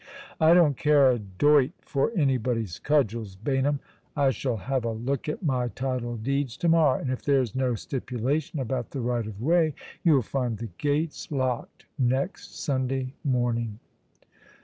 " I don't care a doit for anybody's cudgels, Baynham. I shall have a look at my title deeds to morrow ; and if there's no stipulation about the right of way, you'll find the gates locked next Sunday morning."